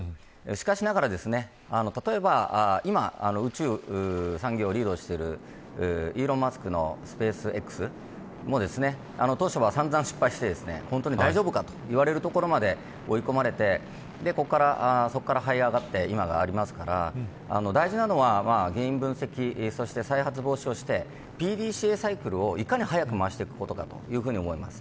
しかしながら今、宇宙産業をリードしているイーロン・マスクのスペースＸも当初は散々失敗して本当に大丈夫かと言われるところまで追い込まれてそこからはい上がって今がありますから大事なのは原因分析と再発防止をしてＰＤＣＡサイクルをいかに早く回していくことだと思います。